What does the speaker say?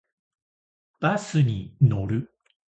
バスに乗る。